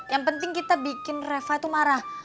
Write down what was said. yang penting kita bikin reva itu marah